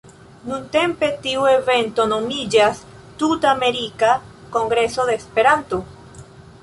Nuntempe tiu evento nomiĝas "Tut-Amerika Kongreso de Esperanto".